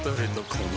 この